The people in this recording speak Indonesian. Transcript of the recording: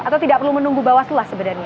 atau tidak perlu menunggu bawaslu sebenarnya